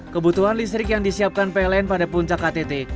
kebutuhan listrik yang disiapkan pln pada puncak ktt